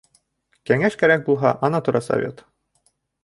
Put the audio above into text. Кәңәш кәрәк булһа, ана тора Совет.